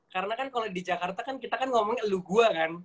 karena kan kalo di jakarta kan kita kan ngomongnya lu gua kan